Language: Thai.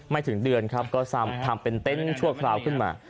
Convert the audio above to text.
ถึงเดือนครับก็ทำเป็นเต็นต์ชั่วคราวขึ้นมา